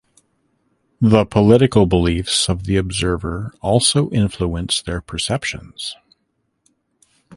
The political beliefs of the observer also influence their perceptions.